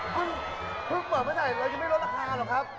คุณเพิ่งเปิดไม่ได้เราจะไม่ลดราคาหรอกครับ